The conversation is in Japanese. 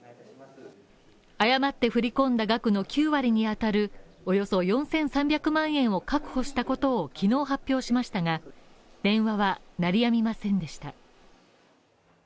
誤って振り込んだ額の９割にあたるおよそ４３００万円を確保したことを昨日発表しましたが、電話は鳴りやみませんでした。